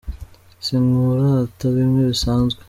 Sinkurata bimwe bisanzwe